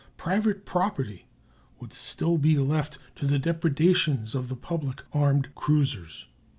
Private property would be still left to the depredations of the public armed cruisers.